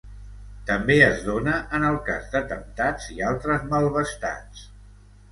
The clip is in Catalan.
També es dona en el cas d'atemptats i altres malvestats.